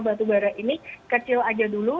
batubara ini kecil aja dulu